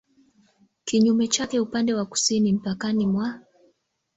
Kinyume chake upande wa kusini mpakani mwa